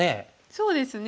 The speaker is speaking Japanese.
そうですね。